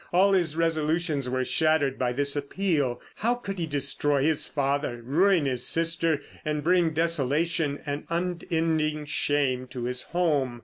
All his resolutions were shattered by this appeal. How could he destroy his father, ruin his sister, and bring desolation and unending shame to his home?